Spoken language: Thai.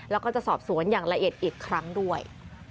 แล้วก็จะสอบสวนอย่างละเอียดอีกครั้งด้วย